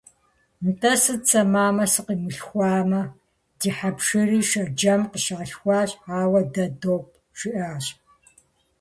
Нтӏэ сыт сэ мамэ сыкъимылъхуамэ, ди хьэпшырри Шэджэм къыщалъхуащ, ауэ дэ допӏ, - жиӏащ.